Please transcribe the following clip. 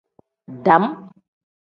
Dam.